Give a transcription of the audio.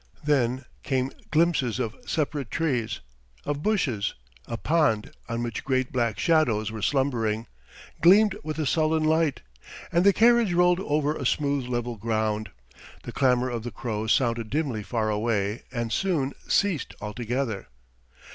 Then came glimpses of separate trees, of bushes; a pond, on which great black shadows were slumbering, gleamed with a sullen light and the carriage rolled over a smooth level ground. The clamour of the crows sounded dimly far away and soon ceased altogether.